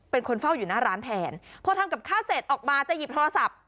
เป็นคนเฝ้าอยู่หน้าร้านแทนพอทำกับข้าวเสร็จออกมาจะหยิบโทรศัพท์